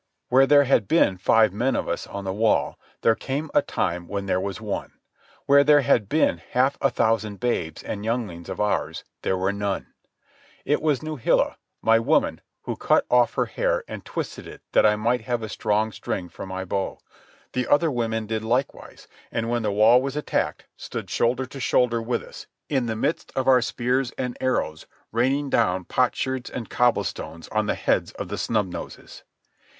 Where there had been five men of us on the wall, there came a time when there was one; where there had been half a thousand babes and younglings of ours, there were none. It was Nuhila, my woman, who cut off her hair and twisted it that I might have a strong string for my bow. The other women did likewise, and when the wall was attacked, stood shoulder to shoulder with us, in the midst of our spears and arrows raining down potsherds and cobblestones on the heads of the Snub Noses.